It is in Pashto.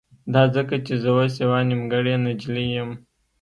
دا ځکه چې زه اوس يوه نيمګړې نجلۍ يم.